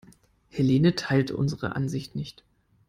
Helene teilt unsere Ansicht nicht.